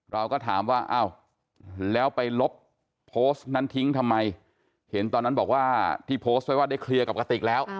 เราก็ถามว่าอ้าวแล้วไปลบโพสต์นั้นทิ้งทำไมเห็นตอนนั้นบอกว่าที่โพสต์ไว้ว่าได้เคลียร์กับกะติกแล้ว